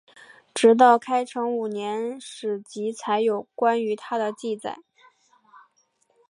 直到开成五年史籍才有关于他的记载。